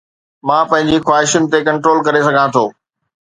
مان پنهنجي خواهشن تي ڪنٽرول ڪري سگهان ٿو